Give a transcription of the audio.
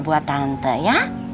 buat tante ya